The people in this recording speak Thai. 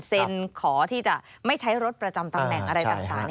ขอที่จะไม่ใช้รถประจำตำแหน่งอะไรต่าง